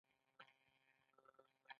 کوچني شیان اتومونه لري